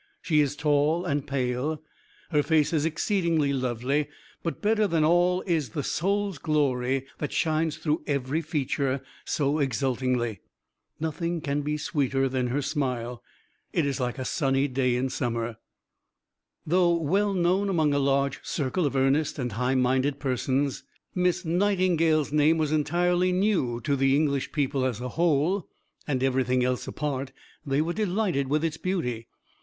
She is tall and pale. Her face is exceedingly lovely; but better than all is the soul's glory that shines through every feature so exultingly. Nothing can be sweeter than her smile. It is like a sunny day in summer." Though well known among a large circle of earnest and high minded persons, Miss Nightingale's name was entirely new to the English people as a whole, and everything else apart they were delighted with its beauty.